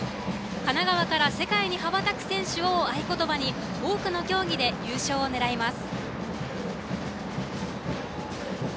「神奈川から世界に羽ばたく選手を！！」を合言葉に多くの競技で優勝を狙います。